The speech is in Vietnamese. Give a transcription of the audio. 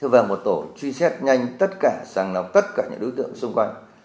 và một tổ truy xét nhanh tất cả sàng lọc tất cả những đối tượng xung quanh